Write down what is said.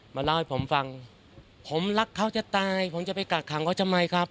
เล่าให้ผมฟังผมรักเขาจะตายผมจะไปกักขังเขาทำไมครับ